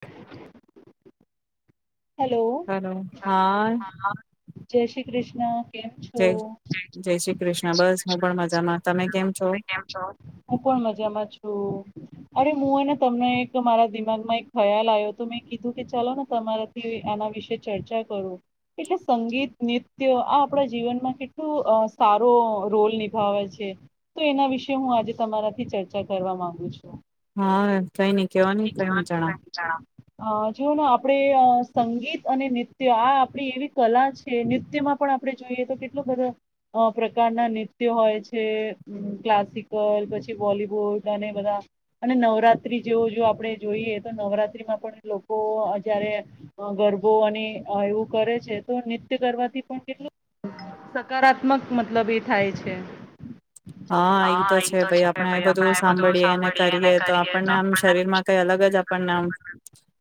[unintelligible] Hello hello હા જય શ્રી કૃષ્ણ કેમ છો જય જય શ્રી કૃષ્ણ બસ હું પણ મજામાં તમે કેમ છો? તો અરે હું હેને તમને એક મારા દિમાગમાં એક ખ્યાલ આયો તો મેં કીધું કે ચલો ને તમારે આના વિશે ચર્ચા કરું. એટલે સંગીત, નૃત્ય આ આપણા જીવનમાં કેટલું અ સારો રોલ નિભાવે છે. તો એના વિશે હું આજે તમારાથી ચર્ચા કરવા માંગુ છું. હા કઈ ની કેવો ને કઈ નઈ જણાવ. અ જોઓ ને આપણે અ સંગીત અને નૃત્ય આ આપણી એવી કલા છે નૃત્યમાં પણ આપણે જોઈએ તો કેટલો બધો અ પ્રકારના નૃત્ય હોય છે. ક્લાસિકલ પછી, બોલીવુડ અને બધા અને નવરાત્રી જેવો જો આપણે જોઈએ તો નવરાત્રીમાં પણ લોકો જ્યારે અ ગરબો અને એવું કરે છે તો નત્ય કરવાથી પણ કેટલું સકારાત્મક મતલબ એ થાય છે. હહ ઈ તો છે ભાઈ આપણે એ બધું સાંભળીએને કરીએ તો આપણને આમ શરીરમાં કાઈ અલગ જ આપણને આમ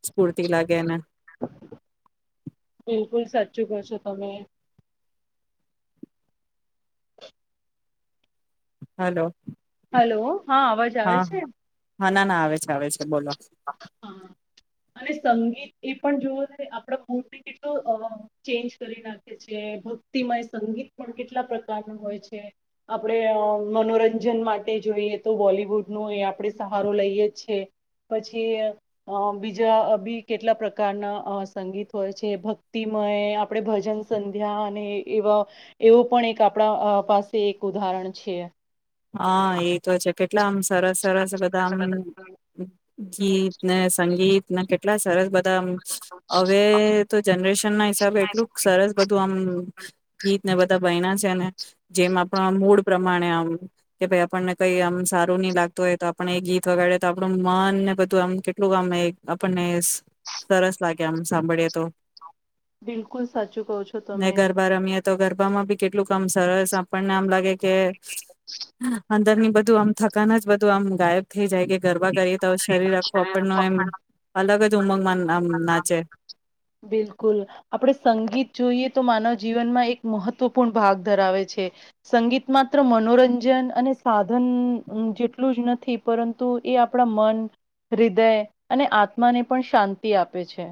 સ્ફૂર્તિ લાગે ને બિલકુલ સાચું કો છો તમે. હલો હલો હા અવાજ આવે છે? હહ ના ના આવે છે. આવે છે બોલો હા અને સંગીત એ પણ જોવોને આપણા મૂડને કેટલો અ ચેન્જ કરી નાખે છે. ભક્તિમય સંગીત પણ કેટલા પ્રકારનું હોય છે. આપણેે મનોરંજન માટે જોઈએ તો બોલીવૂડનો એ આપણે સહારો લઈએ છીએ એ પછી અ બીજા બી કેટલા પ્રકારના અ સંગીત હોય છે. ભક્તિમય આપણે ભજન સંધ્યા અને એવા એવો પણ એક આપણા પાસે એક ઉદાહરણ છે. હા એ તો છે કેટલા આમ સરસ સરસ બધા આમ ગીત ને સંગીત ના કે ટલા સરસ બધા એમ હવે તો જનરેશન ના હિસાબે એટલું સરસ બધું આમ ગીત ને બધા બઈના છે ને. જેમ આપણા મૂડ પ્રમાણે આમ કે ભાઈ આપણને કઈ આમ સારું નઈ લાગતું હોય તો આપને એ ગીત વગાડે તો આપણું મન ને બધું આમ કેટલું આમ આપણને સરસ લાગે આમ સાંભળીએ તો બિલકુલ સાચું કહો છો ને તમે. ગરબા રમીએ તો ગરબામાં ભી કેટલું કામ સરસ આપણને આમ લાગે કે અંદર ની બધું આમ થકન જ બધું આમ ગાયબ થઇ જાય કે ગરબા કરીએ તો શરીર આખું આપણનો એમ અલગ જ ઉમંગમાં આમ નાચે બિલકુલ આપડે સંગીત જોઈએ તો માનવ જીવનમાં એક મહત્વપૂર્ણ ભાગ ધરાવે છે. સંગીત માત્ર મનોરંજન અને સાધન જેટલું જ નથી પરંતુ એ આપણા મન હૃદય અને આત્માને પણ શાંતિ આપે છે.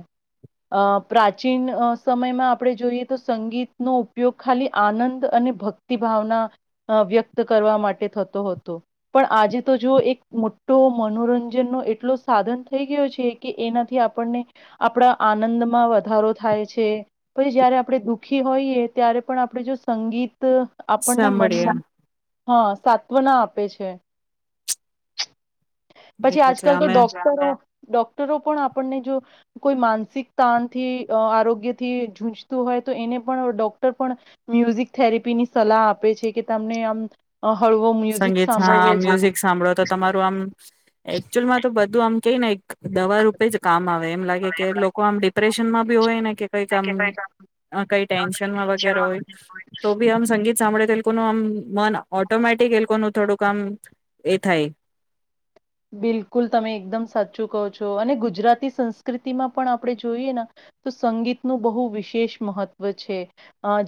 અ પ્રાચીન સમયમાં આપણે જોઈએ તો સંગીતનો ઉપયોગ ખાલી આનંદ અને ભક્તિ ભાવના વ્યક્ત કરવા માટે થતો હતો પણ આજે તો જો એક તો મનોરંજનનો એટલો સાધન થઈ ગયો છે કે એનાથી આપણને આપણા આનંદમાં વધારો થાય છે પછી જય્યારે આપણે દુઃખી હોઈએ ત્યારે પણ આપણે જો સંગીત ત આપણના સાંભળીએ મનમાં હા સાત્વના આપે છે. એ પછી છે આજકાલ તો અમે ડોક્ટર ડોક્ટરો પણ આપણને જો કોઈ માનસિક તાણથી આરોગ્યથી જૂજતું હોય તો એને પણ ડોક્ટર પણ મ્યુઝિક થેરેપી ની સલાહ આપે છે કે તમને આમ અ, હળવો મ્યુઝિક સંગીત સાંભળવો હા જોઈએ મ્યુઝિક સાંભળો તો તમારું આમ એકચુઅલમાં તો બધું આમ કઈ ને એક દવા રૂપે જ કામ આવે. એમ લાગે કે લોકો આમ ડિપ્રેશનમાં ભી હોય ને કઈ આમ કઈ ટેન્શનમાં વગેરા હોય તો ભી આમ સંગીત સાંભળે કોનો આમ મન ઓટોમેટ લોકો નું થોડું કામ એ થાય બિલકુલ તમે એકદમ સાચું કહો છો અને ગુજરાતી સંસ્કૃતિમાં પણ આપણે જોઈએ તો સંગીતનું બહુ વિશેષ મહત્વ છે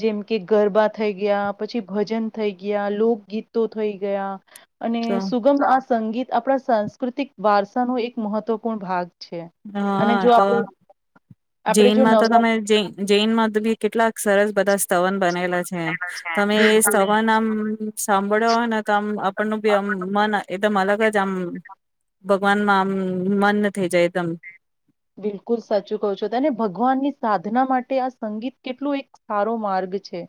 જેમ કે ગરબા થઈ ગયા પછી ભજન થઈ ગયા લોકગીતો થઈ ગયા અને તો સુગમ આ સંગીત આપણા સાંસ્કૃતિક વારસા નો એક મહત્વપૂર્ણ ભાગ છે અને હા જો તો આપણે આપણે જો જૈનમાં તો તમે નવરાત્ર જૈનમાં બી કેટલાક સરસ બધા સ્થવન બનેલા છે તમે એ બિલકુલ સ્થવન આમ સાંભળ્યો હોય ને તો આમ આપણનું બી આમ મન એકદમ અલગ જ આમ ભગવાન માં આમ મન થઈ જાય. તમ. બિલકુલ સાચું કહું છો તને ભગવાનની સાધના માટે આ સંગીત કેટલું એક સારો માર્ગ છે.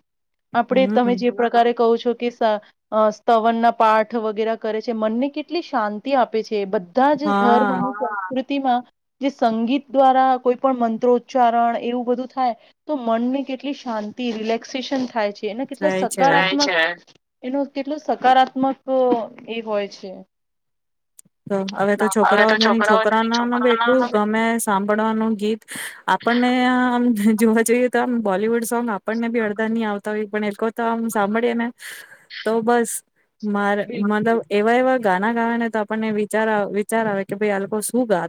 આપડે તમે હમ જે પ્રકારે કહો છો કે સ અ સ્થવન ના પાઠ વગેરા કરે છે મનને કેટલી શાંતિ આપે છે. બધા જ ધર્મ હા સંસ્કૃતિ માં જે સંગીત દ્વારા કોઈ પણ મંત્રોચ્ચારણ એવું બધું થાય તો મનને કેટલી શાંતિ રિલેક્સેશન થાય છે. એને કેટલો જાય છે સકાર એનું કેટલું સકારાત્મક એ હોય છે. તો હવે તો છોકરાઓની છોકરા ના ન ભી એટલું ગમે સાંભળવાનું ગીત આપણને જોવા જઈએ તો આમ બોલીવુડ સોંગ આપણને બી અડધા ની આવ હોય પણ તો આમ સાંભળએ ને તો બસ મારે બિલકુલ મતલબ એવા એવા ગાના ગાવા ને તો આપને વિચાર વિચાર આવે કે ભાઈ આ લોકો શું ગા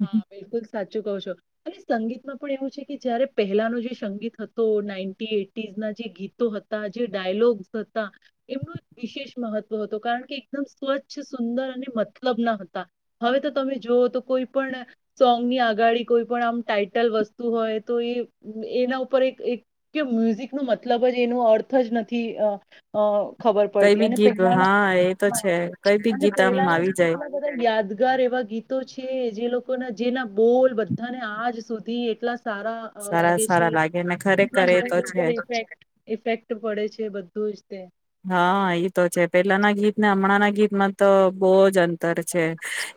હા બિલકુલ સાચું કહ છો. અને સંગીતમાં પણ એવું છે કે જયારે પહેલાનો જે સંગીત હતો નાઈ એટીસ ના જે ગીતો હતા જે ડાયલોગ્સ હતા. એમનું વિશેષ મહત્વ હતો કારણ કે એકદમ સ્વચ્છ સુંદર અને મતલબ ના હતા હવે તો તમે જોઓ તો કોઈ પણ સોંગની આગાડી કોઈ પણ આમ ટાાઈટલ વસ્તુ હોય તો એ એના ઉપર એક મ્યુઝિક ન મતલબ જ એનો અર્થ જ નથી. ખબર કઈ પડતી બી અને ગીત હા એ તો પેલાના છે કઈ બી ગીત આમ પહેલાના આવી જાય કેટલા બધા યાદ એ વાવા ગીતો છે જે લોકો ના જેના બોલ બધાને આજ સુધી એટલા સારા સારા લાગે સારા છેક લાગે ને ખરેખર એ તો છે ઇફેક્ટ પડે છે. તોર હા એઈ તો છે પેલા ના ગીત ને હમણાં ના ગીતમાં તો બહુ જ અંતર છે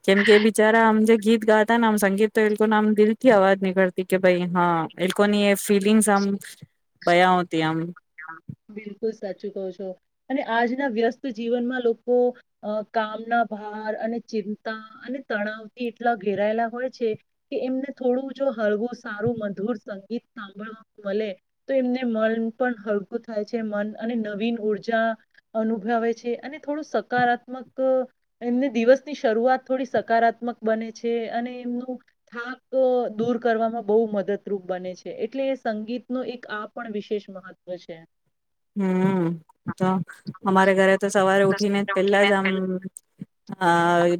કેમ કે એ બિચારા આમ જે ગીત ગાતા ને આમ સંગીત તો એ લોકોને આમ દિલ થી અવાજ નીકળતી કે ભાઈ હા એ લોકોની એ ફિલિંગ્સ આમ ભયા હોતી આમ બિલકુલ સાચું કહ છો અને આજના વ્યસ્ત જીવનમાં લોકો કામના ભાર અને ચિંતા અને તણાવથી એટલા ઘેરાયેલા હોય છે કે એમને થોડું જો હળવું સારું મધુર સંગીત સાંભળવા મળે તો એમને મન હકું થાય છે મન અને નવીન ઉર્જા અનુભવે છે અને થોડું સકારાત્મક એમને દિવસની શરૂઆત થોડી સકારાત્મક બને છે અને એમનું થાક દૂર કરવામાં બહુ મદદરૂપ બને છે એટલે સંગીત ન એક આ પણ વિશેષ મહત્વ પછ છે. હમ તો અમારે ઘરે તો સવારે ઉઠીને પેલા જ આમ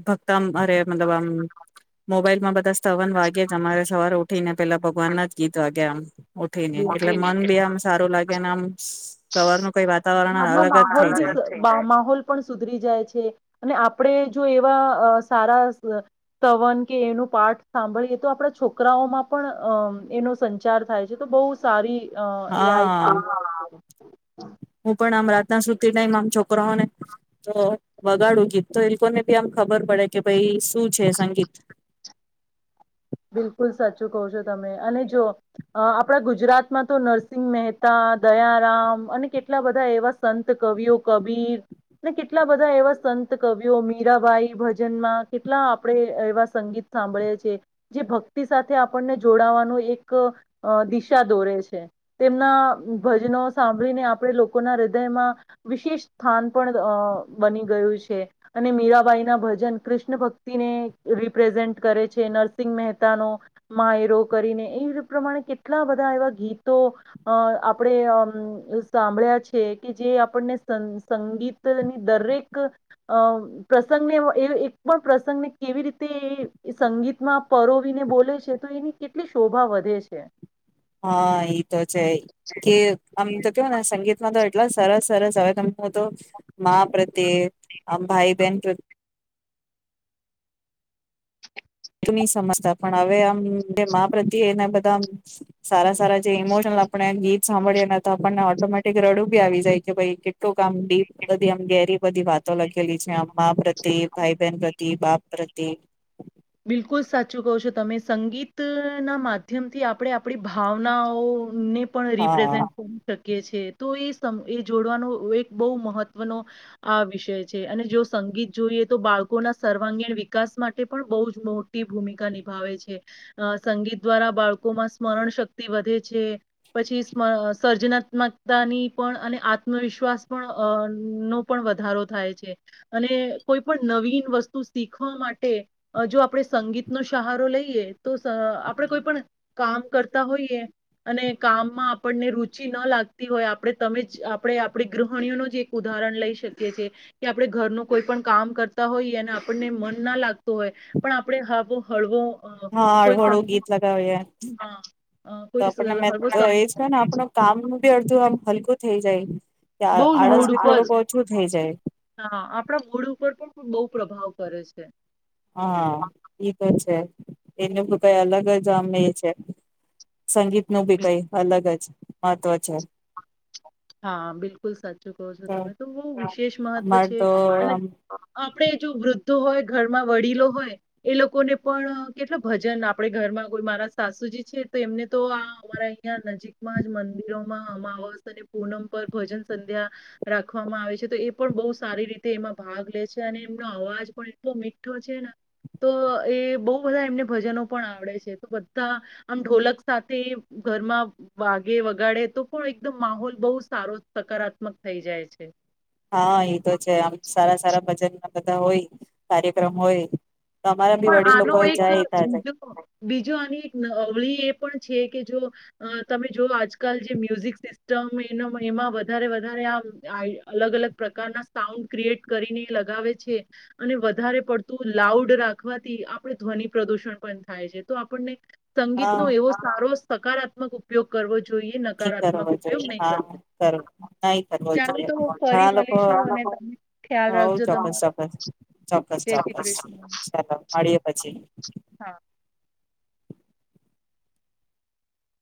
ભક્ત અરે મતલબ મોબાઈલમાં બા સવન વાગ્યા જ અમારે સવારે ઉઠી ને પેલા ભગવાન ના જ ગીત વાગ્યા આમ ઉઠીને એટલે બિલકુલ મન બી આમ સારું લાગેને આમ. સવારનું કઈ વાતાવરણ ઘરનો અલગ જ માહોલ થઈ બી જાય સ માહોલ પણ સુધરી જાય છે અને આપડે જો એવા અ સારા સવન કે એનું પાઠ સાંભળીએ તો આપણા છોકરાઓમાં પણ અ એનો સંચાર થાય છે તો બહુ સારી હ એ આ એક હા [unintelligible] હું પણ આમ રાતના સુતી ટાઈ મ આમ છોકરાઓને તો વગાડવું ગીત તો એ લોકોને ભી આમ ખબર પડે કે ભાઈ શું છે સંગીત. બિલકુલ સાચું કહ છો તમે, અને જો આપણા ગુજરાતમાં તો નરસિંહ મહેતા, દયારામ અને કેટલા બધા એવા સંત કવિઓ કબીર અને કેટલા બધા એવા સંત કવિઓ મીરાબાઈ ભજનમાં કેટલા આપણે એવા સંગીત સાંભળી છીએ. જે ભક્તિ સાથે આપણને જોડાવાનું એક અ દિશા દોરે છે, તેમના ભજનો સાંભળીને આપણે લોકોના હૃદયમાં વિશેષ સ્થાન પણ અ બની ગયું છે અને મીરાબાઈ ના ભજન કૃષ્ણ ભક્તિને રિપ્રેઝેન્ટ કરે છે નર સિંગ મેહતાનો માયરો કરીને એ પ્રમાણે કેટલા બધા એવા ગીતો અ આપણે અમ સાંભળ્યા છે કે જે આપણને સન સંગીતની દરેક અ પ્રસંગને એક પણ પ્રસંગને કેવી રીતે એ સંગીતમાં પરોવીને બોલે છે તો એની કેટલી શોભા વધે છે. હા એ તો છે, કે આમ તો કેવો ને સંગીત માં તો એ ટલા સરસ સરસ હવે તમ કો તો માં પ્રત્યે, ભાઈ બહેન પ્રત્યે જૂની સમસ્યા પણ હવે અમ જે માં પ્રત્યે એના બધા સારા સારા જે ઈમોશનલ આપણે ગીત સાંભળીને તો આપણને ઓટોમેટિક રડું બી આવી જાય કે ભાઈ કેટલુંક આમ ડીપ બધી આમ ગેરી બધી વાતો લખેલી છે આમ મા પ્રતિ, ભાઈ બહેન પ્ર તી, બાપ પ્રતિ બિલકુલ સાચું કહો છો તમે, સંગીતના માધ્યમથી આપણે આપણી ભાવનાઓને પણ હા. રિપ્રેઝન્ટ કરી શકીએ છે. તો એ સમ એ જોડવાનો એક બહુ મહત્વનો આ વિષય છે અને જો સંગીત જોઈએ તો બાળકોના સર્વાંગીણ વિકાસ માટે પણ બહુ મોટી ભૂમિકા નિભાવે છે, અ સંગીત દ્વારા બાળકોમાં સ્મરણ શક્તિ વધે છે પછી સમ સર્જનાત્મકતાની પણ અને આત્મવિશ્વાસ પણ અ નો પણ વધારો થાય છે અને કોઈ પણ નવીન વસ્તુ શીખવા માટે અ જો આપણે સંગીતનો સહારો લઈએ, તો આપણે કોઈ પણ કામ કરતા હોઈએ અને કામમાં આપણને રુચિ ના લાગતી હોય આપણે તમે જ આપણે આપણી ગૃહણીઓનું જ એક ઉદાહરણ લઈ શકીએ છીએ, કે આપણે ઘરનું કોઈ પણ કામ કરતા હોઈએ અને આપણને મન ના લાગતું હોય પણ આપડે હવો હળવો અ, હા કોઈ હળું હળું ગીત સંગીત લગાવીએ, હા અ, તો કોઈ સ- આપણને મે હળવો તો સંગ એજ ને આપણ કામ બી અડધું હલકું થઈ જાય. હમ બઉ જ મૂડ ઉપર, જાય હા આપણા મૂડ ઉપર પણ બઉ પ્રભાવ કરે છે. હા ઠીક જ છે. એનું બી કઈ હા અલગ જ આમ એ છે. સંગીત નું બી બિલ- કઈ અલગ જ મહત્વ છે. હા બિલકુલ સાચું કો છો તમે તો બઉ વિશેષ મહત્વ અમાર છે તો અને આમ [unintelligible] આપણે જો વૃદ્ધો હોય ઘરમાં વડીલો હોય એ લોકોને પણ કેટલા ભજન આપણે ઘરમાં કોઈ મારા સાસુજી છે તેમને તો આ અમારા અહીં નજીકમાં જ મંદિરોમાં અમાવસ અને પૂનમ પર ભજન સંધ્યા રાખવામાં આવે છે તો એ પણ બહુ સારી રીતે એમાં ભાગ લે છે અને એમનો અવાજ પણ એટલો મીઠો છે ને, તો એ બહુ બધા એમને ભજનો પણ આવડે છે, તો બધા આમ ઢોલક સાથે ઘરમાં વાગે વગાડે તો પણ એકદમ માહોલ બહુ સારો સકારાત્મક થઈ જાય છે. હા ઈ તો છે આમ સારા સારા ભજન આ બધા હોય હ કાર્યક્રમ હોય તો અમારા બી પણ વડીલ આનો લોકો એક જાય તા જાય બીજ બીજું આની એકવળી પણ છે કે જો તમે જો આજકાલ જે મ્યુઝિક સિસ્ટમ એમાં વધ વધારે આ અલગ અલગ પ્રકારના સાઉન્ડ ક્રિએટ કરીને લગાવે છે અને વધારે પડતું લાઉડ રાખ રાખવાથી આપણે ધ્વનિ પ્રદુષણ પણ થાય છે તો આપણને સંગીત હા નો એવો સારો સકારાત્મક ઉપયોગ કરવો જોઈએ નહી કરવો નકારાત્મક ઉપયોગ જોઈએ નહીં હા કરવો કર નહી કરવો ચાલો જોઈએ તો ફરી ઘણા લોકો મળીશું અને તમે ખ્યાલ હો રાખજો ચોક્કસ તમારો ચોક્કસ ચોક્કસ જય શ્રી ચોક્કસ કૃષ્ણ ચાલો મળીએ પછી હા